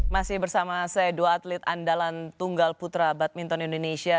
masih bersama saya dua atlet andalan tunggal putra badminton indonesia